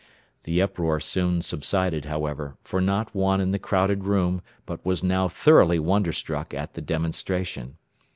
The uproar soon subsided, however, for not one in the crowded room but was now thoroughly wonderstruck at the demonstration.